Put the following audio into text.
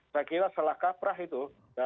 saya kira salah kaprah itu